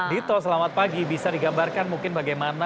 dito selamat pagi bisa digambarkan mungkin bagaimana